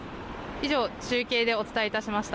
以上、中継でお伝えいたしました。